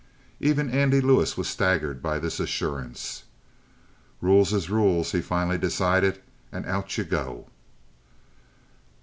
Even Andy Lewis was staggered by this assurance. "Rules is rules," he finally decided. "And out you go."